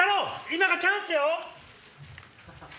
今がチャンスよ！